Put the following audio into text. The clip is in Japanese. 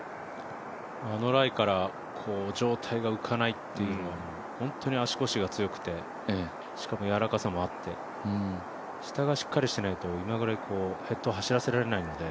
あのライから状態が浮かないというのは、本当に足腰が強くて、しかもやわらかさもあって、下がしっかりしていないと今ぐらいヘッドを走らせられないので。